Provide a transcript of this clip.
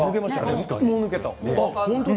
もう抜けた。